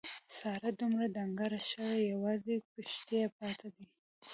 ساره دومره ډنګره شوې یوازې پښتۍ پاتې ده.